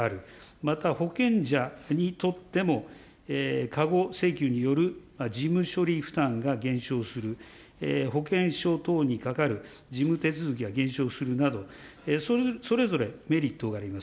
また保険者にとっても、過誤請求による事務処理負担が減少する、保険証等にかかる事務手続きが減少するなど、それぞれ、メリットがあります。